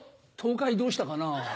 東海どうしたかなぁ？